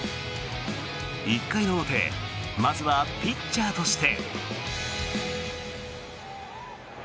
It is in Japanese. １回の表まずはピッチャーとして。